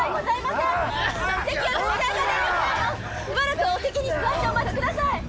しばらくお席に座ってお待ちください